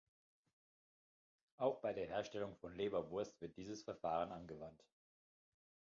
Auch bei der Herstellung von Leberwurst wird dieses Verfahren angewandt.